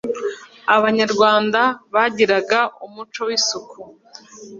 abanyarwanda bagiraga umuco w’isuku,